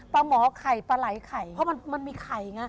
หมอไข่ปลาไหล่ไข่เพราะมันมีไข่ไง